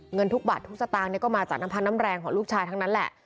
เงินทุกบัตรทุกสตางค์ก็มาจากน้ำพักน้ำแรงของลูกชายทั้งนั้นแหละ